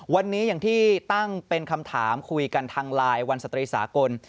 วันนี้อย่างที่ตั้งเป็นคำถามคุยกันทางไลน์วันสตรีสากล